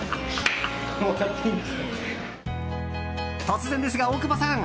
突然ですが、大久保さん。